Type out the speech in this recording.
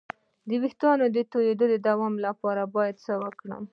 د ویښتو د تویدو د دوام لپاره باید څه وکړم؟